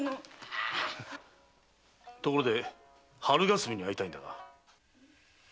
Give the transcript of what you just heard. ところで春霞に会いたいんだが。